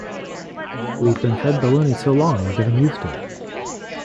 We've been fed baloney so long we're getting used to it.